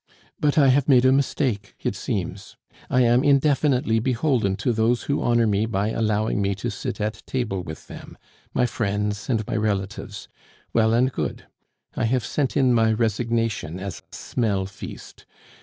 But I have made a mistake, it seems; I am indefinitely beholden to those who honor me by allowing me to sit at table with them; my friends, and my relatives.... Well and good; I have sent in my resignation as smellfeast.